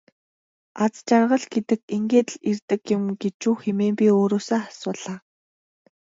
Аз жаргал гэдэг ингээд л ирдэг юм гэж үү хэмээн өөрөөсөө би асуулаа.